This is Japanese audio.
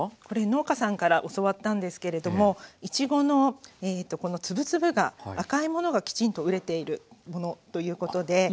これ農家さんから教わったんですけれどもいちごの粒々が赤いものがきちんと熟れているものということで。